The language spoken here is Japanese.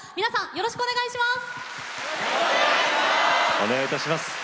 よろしくお願いします。